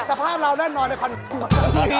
สภาพเราน่านนอนในคอนโดน